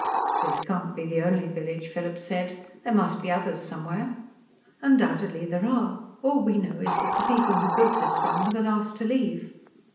"This can't be the only village," Philip said. "There must be others somewhere." "Undoubtedly there are. All we know is that the people who built this one were the last to leave."